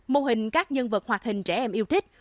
mô hình các nhân vật hoạt hình trẻ em yêu thích